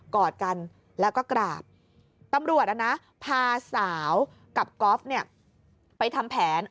กอดกันแล้วก็กราบตำรวจพาสาวกับก๊อฟเนี่ยไปทำแผน